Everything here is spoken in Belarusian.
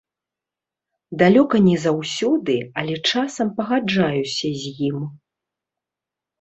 Далёка не заўсёды, але часам пагаджаюся з ім.